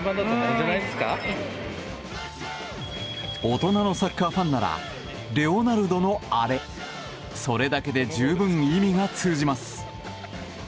大人のサッカーファンならレオナルドのあれそれだけで十分意味が通じます。